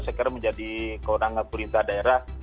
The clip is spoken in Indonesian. saya kira menjadi kewenangan pemerintah daerah